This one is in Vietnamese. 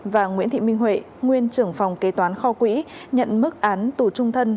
và nguyễn thị minh huệ nguyên trưởng phòng kế toán kho quỹ nhận mức án tù trung thân